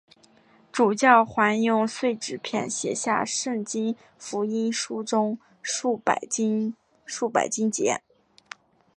主教还用碎纸片写下圣经福音书中数百经节。